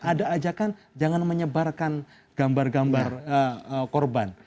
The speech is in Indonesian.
ada ajakan jangan menyebarkan gambar gambar korban